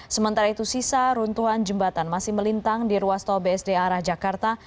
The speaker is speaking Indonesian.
sementara itu sisa runtuhan jembatan masih melintang di ruas tol bsd arah jakarta